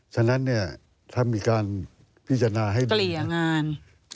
ฉะนั้นเนี่ยถ้ามีการพิจารณาให้ดีงาน